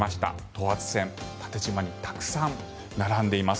等圧線縦じまにたくさん並んでいます。